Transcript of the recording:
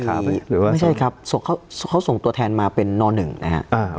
หรือว่าไม่ใช่ครับเขาส่งตัวแทนมาเป็นนหนึ่งนะฮะ